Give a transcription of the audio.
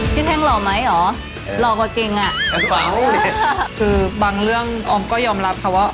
แท่งหล่อไหมเหรอหล่อกว่าเก่งอ่ะคือบางเรื่องออมก็ยอมรับค่ะว่า